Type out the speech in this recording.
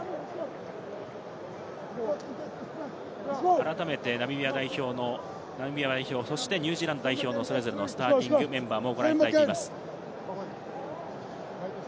改めてナミビア代表の、そしてニュージーランド代表、それぞれのスターティングメンバーをご覧いただいています。